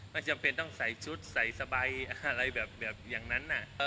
จำเป็นต้องใส่ชุดใส่สบายอะไรแบบอย่างนั้น